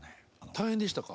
大変でしたか？